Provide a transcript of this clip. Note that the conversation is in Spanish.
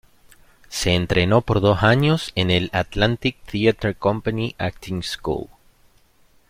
Se entrenó por dos años en el "Atlantic Theater Company Acting School".